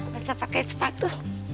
masa pakai sepatu